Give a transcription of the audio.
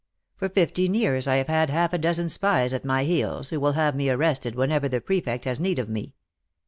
For fifteen years I have had half a dozen spies at my heels, who will have me arrested whenever the Prefect has need of me."